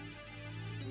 oh itu orangnya